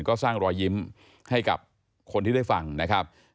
ก็สร้างรอยยิ้มให้กับคนที่ได้ฟังนะครับ